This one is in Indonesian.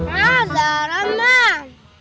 nah zara man